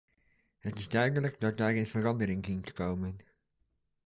Het is duidelijk dat daarin verandering dient te komen.